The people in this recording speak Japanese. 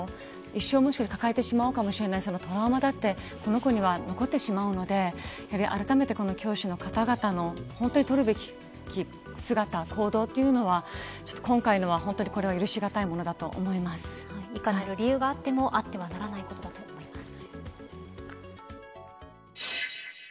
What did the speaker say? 一生、もしかしたら抱えてしまうかもしれないトラウマだってその子に残ってしまうのであらためて教師の方々の取るべき姿、行動というのは今回のは、本当にいかなる理由があってもあってはならないことだと思います。